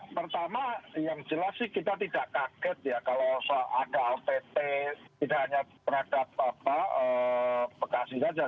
pertama yang jelas sih kita tidak kaget ya kalau ada ott tidak hanya terhadap bekasi saja